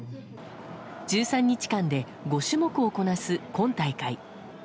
１３日間で５種目をこなす今大会。